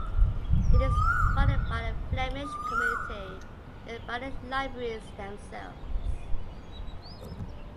It is funded by the Flemish Community and by the libraries themselves.